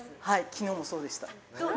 昨日もそうでした。